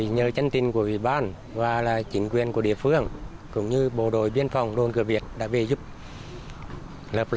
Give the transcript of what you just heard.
nhờ chân tin của vị ban và chính quyền của địa phương cũng như bộ đội biên phòng đồn cửa việt đã về giúp